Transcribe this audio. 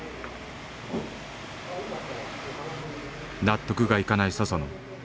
納得がいかない佐々野。